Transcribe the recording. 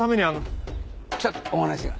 ちょっとお話が。